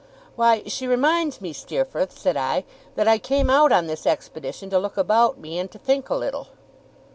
'Why, she reminds me, Steerforth,' said I, 'that I came out on this expedition to look about me, and to think a little.